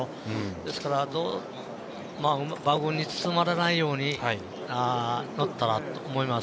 ですから馬群に包まれないように乗ったらと思います。